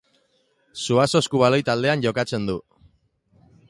Zuazo eskubaloi taldean jokatzen du.